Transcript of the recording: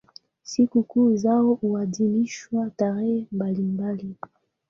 Sikukuu zao huadhimishwa tarehe mbalimbali.